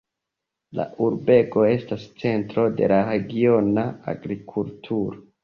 La urbego estas centro de la regiona agrikulturo.